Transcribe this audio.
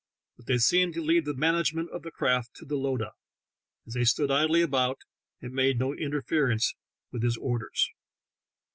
But they seemed to leave the management of the craft to the lowdah, as they stood idly about, and made no interference with his orders.